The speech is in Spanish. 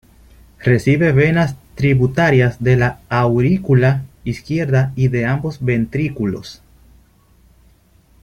Recibe venas tributarias de la aurícula izquierda y de ambos ventrículos.